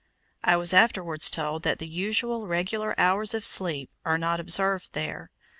I was afterwards told that the usual regular hours of sleep are not observed there.